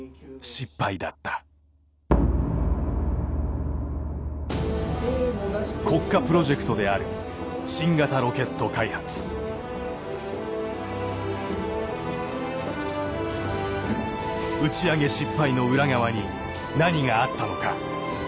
失敗だった国家プロジェクトである新型ロケット開発打ち上げ失敗の裏側に何があったのか？